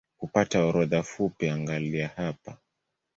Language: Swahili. Kupata orodha fupi angalia hapa